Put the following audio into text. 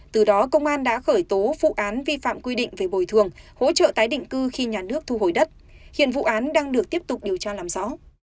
từ đó công an đã khởi tố vụ án vi phạm quy định về bồi thường hỗ trợ tái định cư khi nhà nước thu hồi đất hiện vụ án đang được tiếp tục điều tra làm rõ